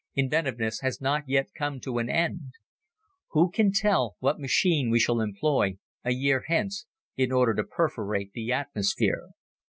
Inventiveness has not yet come to an end. Who can tell what machine we shall employ a year hence in order to perforate the atmosphere?